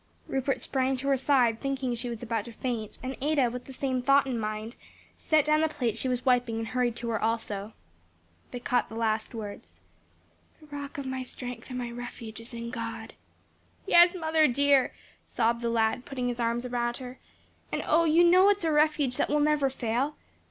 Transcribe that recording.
Rupert sprang to her side, thinking she was about to faint, and Ada, with the same thought in her mind, set down the plate she was wiping and hurried to her also. They caught the last words. "'The rock of my strength and my refuge is in God.'" "Yes, mother, dear," sobbed the lad, putting his arms around her, "and oh, you know it's a refuge that will never fail.